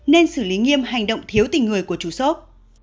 nên xử lý nghiêm hành động thiếu tình người của chủ shop